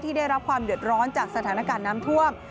ได้รับความเดือดร้อนจากสถานการณ์น้ำท่วม